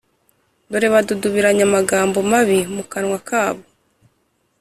Dore badudubiranya amagambo mabi mu kanwa kabo